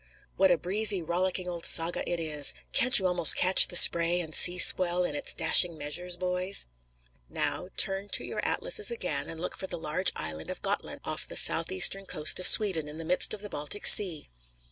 What a breezy, rollicking old saga it is! Can't you almost catch the spray and sea swell in its dashing measures, boys? Now, turn to your atlases again and look for the large island of Gotland off the southeastern coast of Sweden, in the midst of the Baltic Sea.